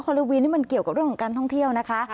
โลวีนนี่มันเกี่ยวกับเรื่องของการท่องเที่ยวนะคะ